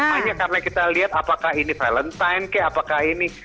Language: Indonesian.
makanya karena kita lihat apakah ini valentine ke apakah ini